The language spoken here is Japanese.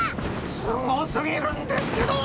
すご過ぎるんですけど。